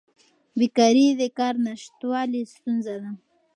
بیکاري د کار نشتوالي ستونزه ده.